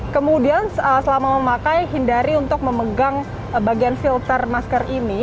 kemudian selama memakai hindari untuk memegang bagian filter masker ini